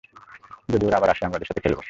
যদি ওরা আবার আসে, আমি ওদের সাথে খেলব।